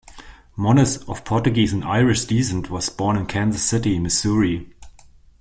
Moniz, of Portuguese and Irish descent, was born in Kansas City, Missouri.